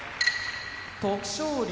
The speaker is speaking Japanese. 徳勝龍